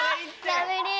ラブリー。